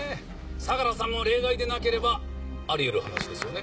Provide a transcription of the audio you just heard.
相良さんも例外でなければあり得る話ですよね。